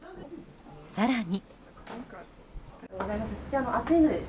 更に。